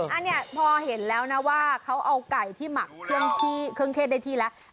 อันนี้พอเห็นแล้วนะว่าเขาเอาไก่ที่หมักเครื่องเทศได้ที่แล้ว